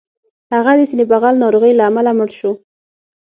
هغه د سینې بغل ناروغۍ له امله مړ شو